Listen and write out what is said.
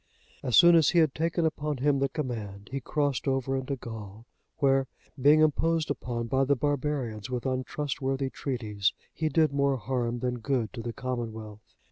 As soon as he had taken upon him the command, he crossed over into Gaul, where being often imposed upon by the barbarians with untrustworthy treaties, he did more harm than good to the Commonwealth.